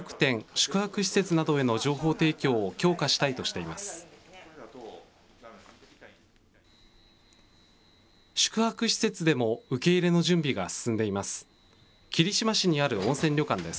宿泊施設でも受け入れの準備が進んでいます。